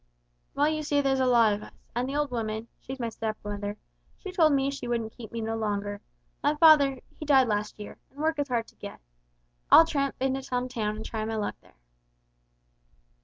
"Well, you see there's a lot of us, and the old woman she's my stepmother she told me she wouldn't keep me no longer. My father he died last year, and work is hard to get. I'll tramp into some town and try my luck there."